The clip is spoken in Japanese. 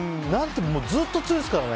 ずっと強いですからね。